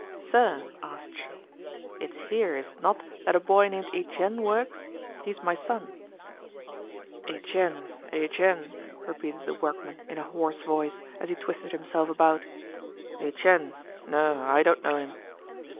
"Sir," asked she, "it's here is it not that a boy named Etienne works? He's my son." "Etienne, Etienne," repeated the workman in a hoarse voice as he twisted himself about. "Etienne; no I don't know him."